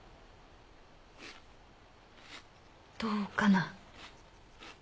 どうかな？